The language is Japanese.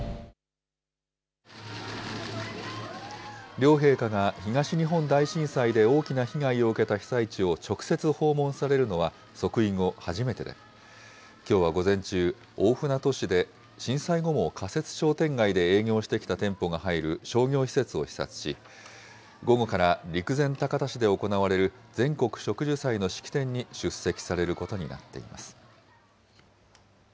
両陛下が東日本大震災で大きな被害を受けた被災地を直接訪問されるのは、即位後初めてで、きょうは午前中、大船渡市で、震災後も仮設商店街で営業してきた店舗が入る商業施設を視察し、午後から陸前高田市で行われる全国植樹祭の式典に出席されることになっています。